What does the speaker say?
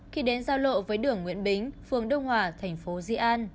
khi đến giao lộ với đường nguyễn bính phường đông hòa thành phố di an